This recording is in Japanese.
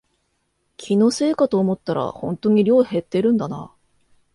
気のせいかと思ったらほんとに量減ってるんだな